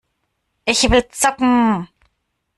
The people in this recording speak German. Ich will zocken!